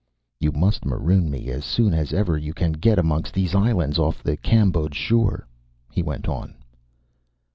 "You must maroon me as soon as ever you can get amongst these islands off the Cambodge shore," he went on.